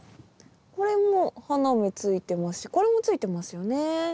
これも花芽ついてますしこれもついてますよね。